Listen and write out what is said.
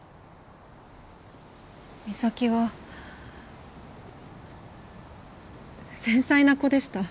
岬は繊細な子でした。